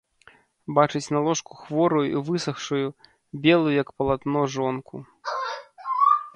Бачыць на ложку хворую i высахшую, белую як палатно жонку...